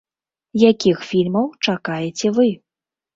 Якіх фільмаў чакаеце вы?